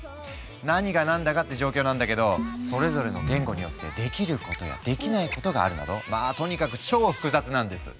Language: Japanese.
何がなんだかって状況なんだけどそれぞれの言語によってできることやできないことがあるなどまあとにかく超複雑なんです。